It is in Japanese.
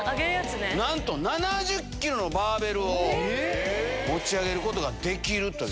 なんと７０キロのバーベルを持ち上げることができるという。